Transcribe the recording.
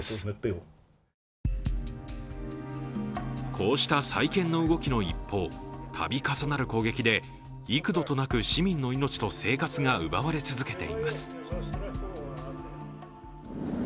こうした再建の動きの一方、たび重なる攻撃で幾度となく市民の命と生活が奪われ続けています。